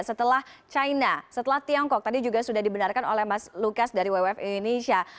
setelah china setelah tiongkok tadi juga sudah dibenarkan oleh mas lukas dari wwf indonesia